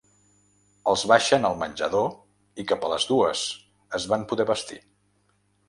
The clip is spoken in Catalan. Els baixen al menjador i cap a les dues es van poder vestir.